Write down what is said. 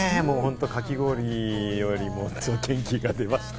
かき氷よりもね、元気が出ました。